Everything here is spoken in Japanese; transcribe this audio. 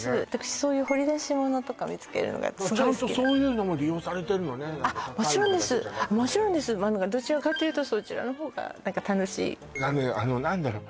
そういう掘り出しものとか見つけるのがそういうのも利用されてるのね高いものだけじゃなくもちろんですどちらかというとそちらの方が何か楽しい何だろう